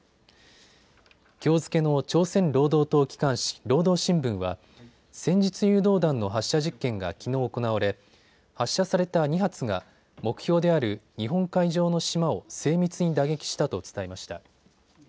きょう付けの朝鮮労働党機関紙、労働新聞は戦術誘導弾の発射実験がきのう行われ発射された２発が目標である日本海上の島を精密に打撃したと伝えました。